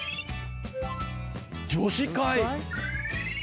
女子会！